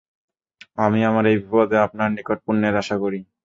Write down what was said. আমি আমার এই বিপদে আপনার নিকট পুণ্যের আশা করি।